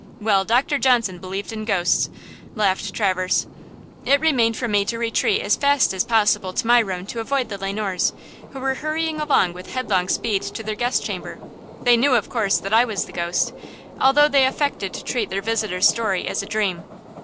Well, Doctor Johnson believed in ghosts," laughed Traverse. "It remained for me to retreat as fast as possible to my room to avoid the Le Noirs, who were hurrying with head long speed to the guest chamber. They knew of course, that I was the ghost, although they affected to treat their visitor's story as a dream.